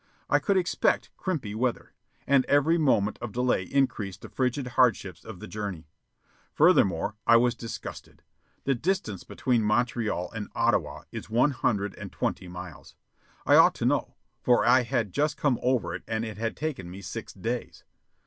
I could expect "crimpy" weather, and every moment of delay increased the frigid hardships of the journey. Furthermore, I was disgusted. The distance between Montreal and Ottawa is one hundred and twenty miles. I ought to know, for I had just come over it and it had taken me six days.